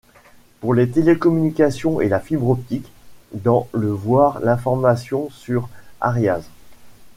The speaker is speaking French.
Pour les télécommunications et la fibre optique dans le voir l'information sur ariase.